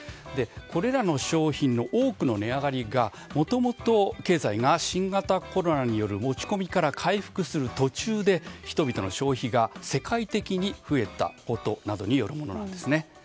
これらの商品の多くの値上がりがもともと経済が新型コロナによる落ち込みから回復する途中で、人々の消費が世界的に増えたことなどによるものなんですね。